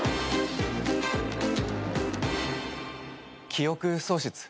記憶喪失？